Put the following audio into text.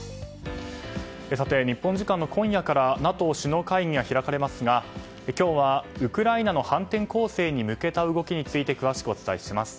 日本時間の今夜からＮＡＴＯ首脳会議が開かれますが今日はウクライナの反転攻勢に向けた動きについて詳しくお伝えします。